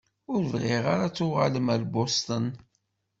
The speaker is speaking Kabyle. Ur bɣiɣ ara ad tuɣalem ar Boston.